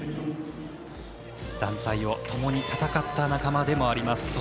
団体を共に戦った仲間でもあります。